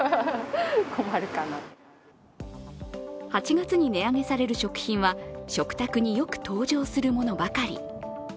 ８月に値上げされる食品は食卓によく登場するものばかり。